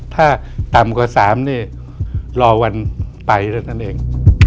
ถ้าต่ำกว่า๓รอวันไปแล้วนั่นเอง